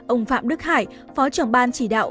ông phạm đức hải phó trưởng ban chỉ đạo